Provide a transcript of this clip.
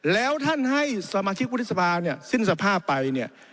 แล้วท่านให้สมาชิกวุฒิสภาเนี่ยสิ้นสภาพไปเนี่ย